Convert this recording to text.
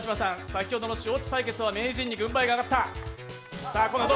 先ほどの対決は名人が軍配が上がった。